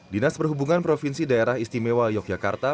dinas perhubungan provinsi daerah istimewa yogyakarta